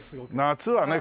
夏はね